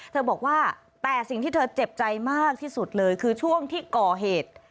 เธอบอกว่าแต่สิ่งที่เธอเจ็บใจมากที่สุดเลยคือช่วงที่ก่อเหตุ